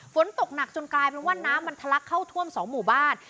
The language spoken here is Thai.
ฝนตกหนักจนกลายเป็นว่าน้ำมันทะลักเข้าท่วม๒หมู่บ้าน